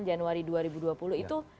januari dua ribu dua puluh itu